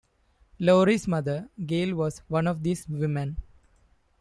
Laurie's mother Gail was one of these women.